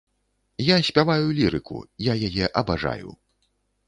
Я спяваю лірыку, я яе абажаю.